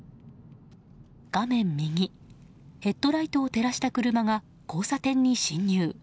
画面右ヘッドライトを照らした車が交差点に進入。